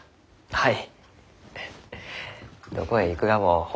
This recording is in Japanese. はい。